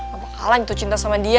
gak apa apa lagi tuh cinta sama dia